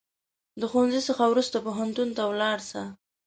د ښوونځي څخه وروسته پوهنتون ته ولاړ سه